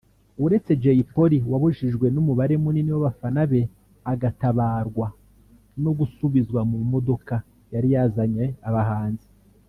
uretse Jay Polly wabujijwe n’umubare muni w’abafana be agatabarwa no gusubizwa mu modoka yari yazanye abahanzi